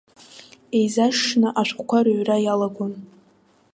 Еизашшны ашәҟәқәа рыҩра иалагон.